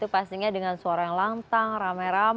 pastinya dengan suara yang lantang rame rame